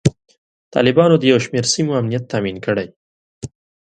طالبانو د یو شمیر سیمو امنیت تامین کړی.